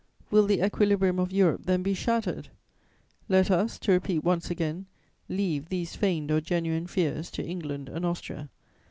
Will the equilibrium of Europe then be shattered? "Let us, to repeat once again, leave these feigned or genuine fears to England and Austria.